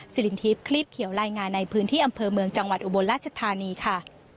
สิรินทิพย์คลีบเขียวรายงานในพื้นที่อำเภอเมืองจังหวัดอุบลราชธานีค่ะ